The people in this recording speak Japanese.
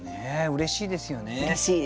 うれしいですね。